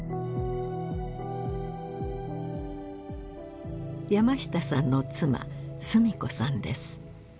山下さんの妻須美子さんです。